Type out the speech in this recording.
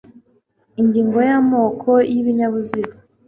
Ingingo ya Amoko y ibinyabuzima